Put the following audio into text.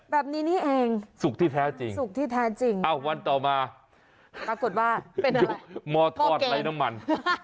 แบบนี้นี่เองสุกที่แท้จริงสุกที่แท้จริงอ้าววันต่อมาปรากฏว่าเป็นหม้อทอดไร้น้ำมัน